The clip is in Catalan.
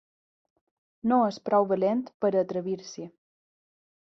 No és prou valent per a atrevir-s'hi.